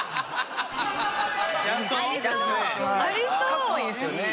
かっこいいですよね。